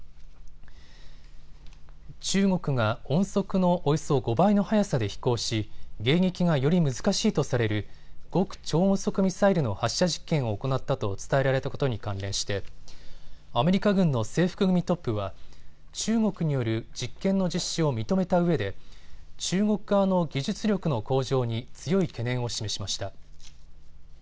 中国が音速のおよそ５倍の速さで飛行し迎撃がより難しいとされる極超音速ミサイルの発射試験を行ったと伝えられたことに関連してアメリカ軍の制服組トップは中国による実験の実施を認めたうえで中国側の技術力の向上に強い懸念を示しました。